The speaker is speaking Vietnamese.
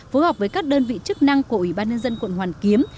phối hợp với các đơn vị chức năng của ủy ban nhân dân quận hoàn kiếm